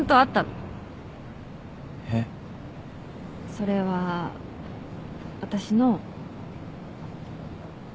それは私の。